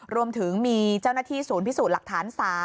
รวมถึงมีเจ้าหน้าที่ศูนย์พิสูจน์หลักฐาน๓